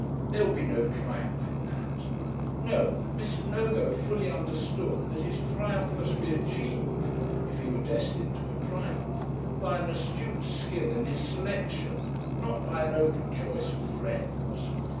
There would be no triumph in that. No; Mr. Nogo fully understood that his triumph must be achieved if he were destined to a triumph by an astute skill in his selection, not by an open choice of friends.